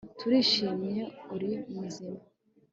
turishimye, uri muzima